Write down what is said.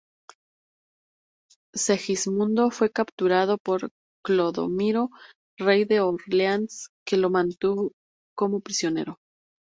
Segismundo fue capturado por Clodomiro, rey de Orleáns, que lo mantuvo como prisionero.